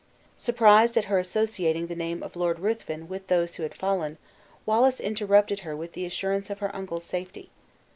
Surprised at her associating the name of Lord Ruthven with those who had fallen, Wallace interrupted her with the assurance of her uncle's safety.